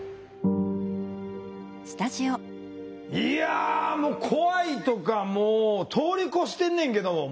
いやもう怖いとかもう通り越してんねんけど。